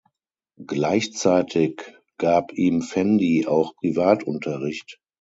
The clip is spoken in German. Gleichzeitig gab ihm Fendi auch Privatunterricht.